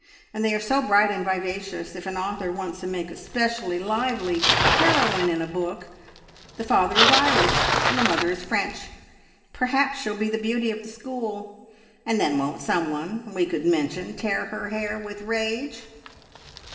And they are so bright and vivacious. If an author wants to make a specially lively heroine in a book, the father is Irish, and the mother is French. Perhaps she'll be the beauty of the school, and then won't someone we could mention tear her hair with rage?"